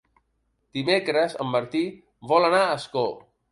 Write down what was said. Dimecres en Martí vol anar a Ascó.